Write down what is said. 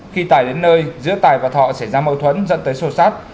khi tài đến nơi giữa tài và thọ xảy ra mâu thuẫn dẫn tới sô sát